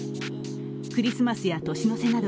クリスマスや年の瀬など